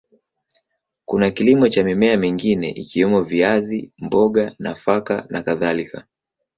Kuna kilimo cha mimea mingine ikiwemo viazi, mboga, nafaka na kadhalika.